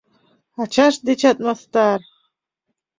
Ачашт дечат мастар!..